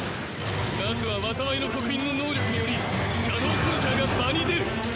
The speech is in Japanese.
まずは災いの刻印の能力によりシャドウソルジャーが場に出る。